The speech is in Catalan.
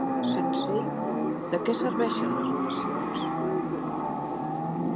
Sense ell, de què serveixen les oracions?